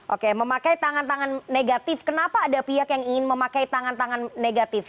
oke memakai tangan tangan negatif kenapa ada pihak yang ingin memakai tangan tangan negatif